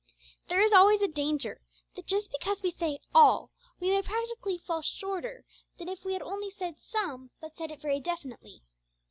There is always a danger that just because we say 'all,' we may practically fall shorter than if we had only said 'some,' but said it very definitely.